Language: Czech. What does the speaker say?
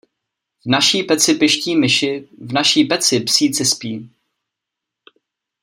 V naší peci piští myši, v naší peci psíci spí.